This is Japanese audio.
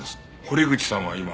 堀口さんは今？